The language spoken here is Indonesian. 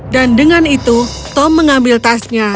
dan dengan itu tom mengambil tasnya